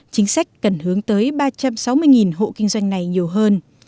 chính sách cần hướng tới ba trăm sáu mươi hộ kinh doanh này nhiều hơn